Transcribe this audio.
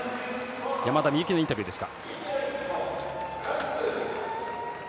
山田美幸のインタビューでした。